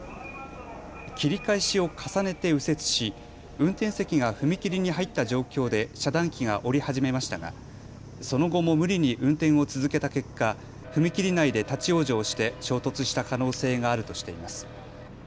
切り返しを重ねて右折し運転席が踏切に入った状況で遮断機が下り始めましたが、その後も無理に運転を続けた結果、踏切内で立往生して衝突した可能性があるとしています。